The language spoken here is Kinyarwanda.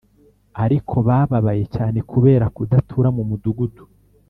ariko bababaye cyane kubera kudatura mu mudugudu.